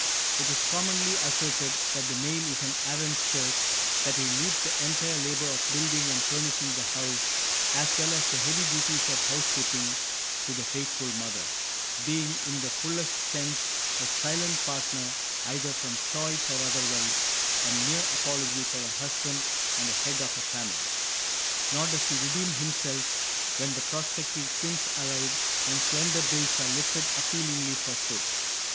It is commonly asserted that the male is an arrant shirk, that he leaves the entire labor of building and furnishing the house as well as the heavy duties of housekeeping to the faithful mother, being in the fullest sense a silent partner either from choice or otherwise, a mere apology for a husband and head of a family. Nor does he redeem himself when the prospective "twins" arrive and slender bills are lifted appealingly for food!